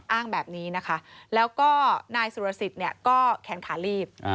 อ้างแบบนี้นะคะแล้วก็นายสุรสิทธิ์เนี่ยก็แขนขาลีบ